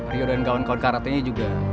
rio dan kawan kawan karate nya juga